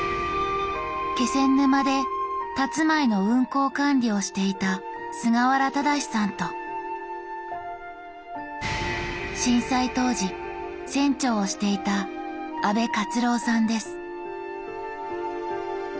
気仙沼でたつまいの運行管理をしていた菅原忠さんと震災当時船長をしていた阿部勝郎さんです。